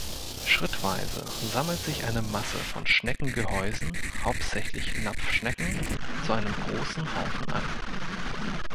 Schrittweise sammelt sich eine Masse von Schneckengehäusen, hauptsächlich Napfschnecken, zu einem großen Haufen an.